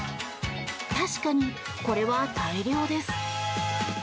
確かに、これは大量です。